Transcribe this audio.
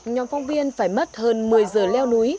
nhóm phong viên phải mất hơn một mươi giờ leo núi